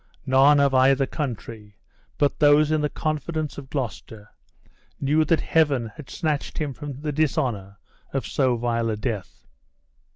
None of either country, but those in the confidence of Gloucester, knew that Heaven had snatched him from the dishonor of so vile a death.